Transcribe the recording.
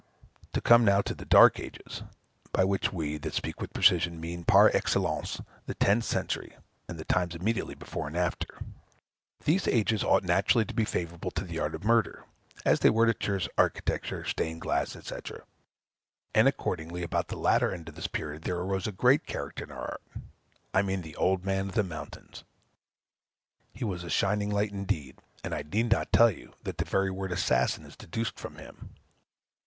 To come now to the dark ages (by which we, that speak with precision, mean, par excellence, the tenth century, and the times immediately before and after) these ages ought naturally to be favorable to the art of murder, as they were to church architecture, to stained glass, &c. and, accordingly, about the latter end of this period, there arose a great character in our art, I mean the Old Man of the Mountains. He was a shining light, indeed, and I need not tell you, that the very word "assassin" is deduced from him.